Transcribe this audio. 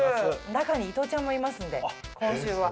中に伊藤ちゃんもいますんで今週は。